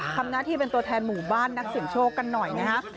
ทำหน้าที่เป็นตัวแทนหมู่บ้านนักเสียงโชคกันหน่อยนะฮะ